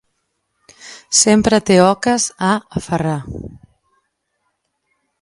Sempre té oques a aferrar!